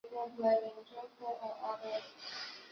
奥蒂戈为位在美国堪萨斯州朱厄尔县的非建制地区。